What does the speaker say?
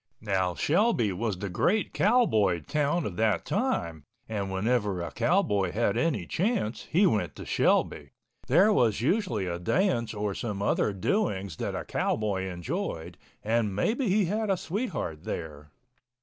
Now Shelby was the great cowboy town of that time, and whenever a cowboy had any chance he went to Shelby. There was usually a dance or some other doings that a cowboy enjoyed—and maybe he had a sweetheart there.